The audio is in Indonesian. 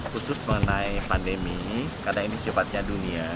khusus mengenai pandemi karena ini sifatnya dunia